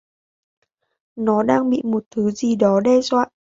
Nó đang bị một thứ gì đó đe dọa